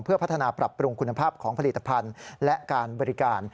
เพื่อพัฒนาปรับปรุงคุณภาพของผลิตภัณฑ์และการบริการ